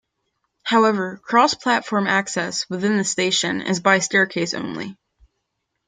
However, cross-platform access, within the station, is by staircase only.